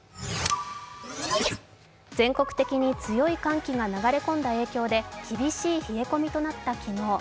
全国的に強い寒気が流れ込んだ影響で厳しい冷え込みとなった機能。